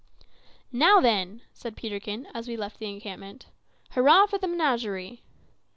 "Now, then," said Peterkin, as we left the encampment, "hurrah, for the menagerie!"